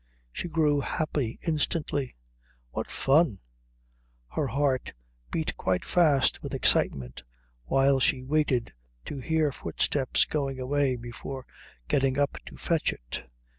She grew happy instantly. What fun. Her heart beat quite fast with excitement while she waited to hear footsteps going away before getting up to fetch it.